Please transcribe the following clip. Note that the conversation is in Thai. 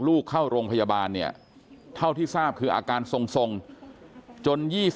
ลูกเข้าโรงพยาบาลเนี่ยเท่าที่ทราบคืออาการทรงจน๒๐